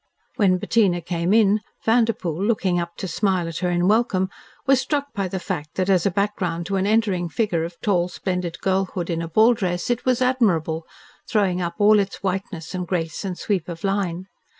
When Bettina came in, Vanderpoel, looking up to smile at her in welcome, was struck by the fact that as a background to an entering figure of tall, splendid girlhood in a ball dress it was admirable, throwing up all its whiteness and grace and sweep of line.